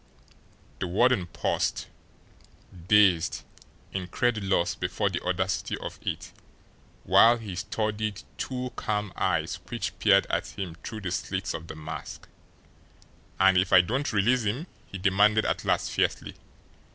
The warden paused, dazed, incredulous before the audacity of it, while he studied two calm eyes which peered at him through the slits of the mask. "And if I don't release him?" he demanded at last, fiercely.